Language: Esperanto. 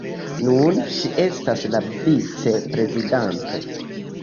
Nun ŝi estas la vic-prezidanto.